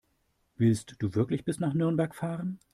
Willst du wirklich bis nach Nürnberg fahren?